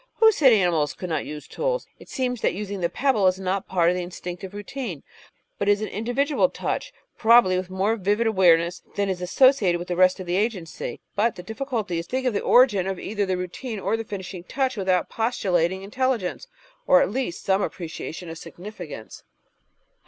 Who said animals could not use tools? It seems that using the pebble is not part of the instinctive routine, but is an individual touch, probably with more vivid awareness than is associated with the rest of the agency. But the difficulty is to think of the origin of either the routine or the finishing touch without postulating intelligence, or, at least, some appreciation of significance.